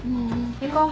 行こう。